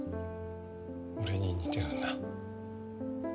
俺に似てるんだ。